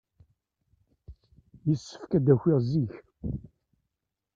Yessefk ad d-akiɣ zik.